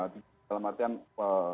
diganti dengan pejabat begitu ya